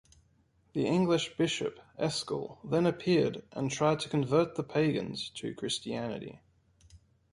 The English bishop Eskil then appeared and tried to convert the pagans to Christianity.